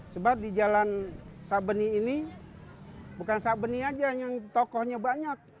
sebab di jalan sabeni ini bukan sabeni aja yang tokohnya banyak